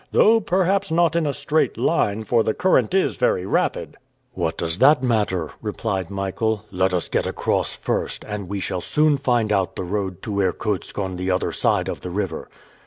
though perhaps not in a straight line, for the current is very rapid!" "What does that matter?" replied Michael. "Let us get across first, and we shall soon find out the road to Irkutsk on the other side of the river."